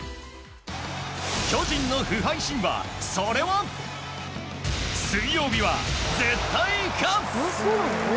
巨人の不敗神話、それは水曜日は、絶対勝つ！